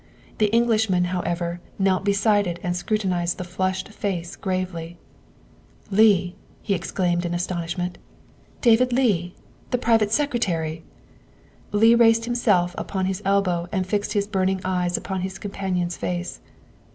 The Englishman, however, knelt beside it and scrutinized the flushed face gravely. " Leigh!" he exclaimed in astonishment, " David Leigh the private secretary!" Leigh raised himself upon his elbow and fixed his burning eyes upon his companion's face.